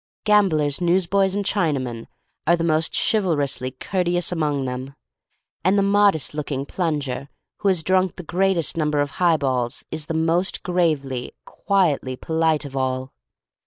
Gamblers, newsboys, and Chinamen are the most chivalrously courteous among them. And the modest looking *'plunger" who has drunk the greatest number of high balls is the most gravely, quietly polite of all.